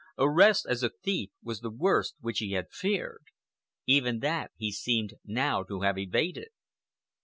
Arrest as a thief was the worst which he had feared. Even that he seemed now to have evaded.